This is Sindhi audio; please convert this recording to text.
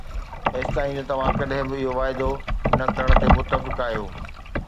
ايستائين جو توهان ڪڏهن به اهو واعدو نه ڪرڻ تي متفق آهيو